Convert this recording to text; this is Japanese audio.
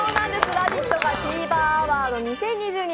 「ラヴィット！」がＴｖｅｒアワード２０２２